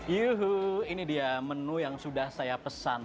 yuhuu ini dia menu yang sudah saya pesan